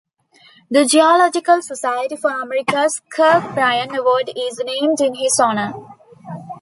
The Geological Society of America's Kirk Bryan Award is named in his honour.